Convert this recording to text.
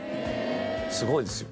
すごいですよ